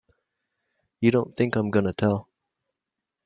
You don't think I'm gonna tell!